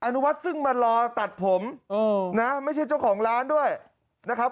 นุวัฒน์ซึ่งมารอตัดผมนะไม่ใช่เจ้าของร้านด้วยนะครับ